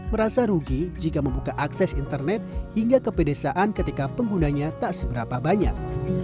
merasa rugi jika membuka akses internet hingga ke pedesaan ketika penggunanya tak seberapa banyak